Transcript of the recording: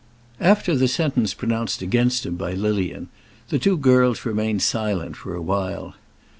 After the sentence pronounced against him by Lilian, the two girls remained silent for awhile.